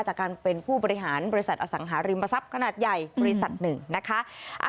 จากการเป็นผู้บริหารบริษัทอสังหาริมทรัพย์ขนาดใหญ่บริษัทหนึ่งนะคะ